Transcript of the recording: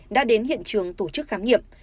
đã đến hiện trường tổ chức khám nghiệm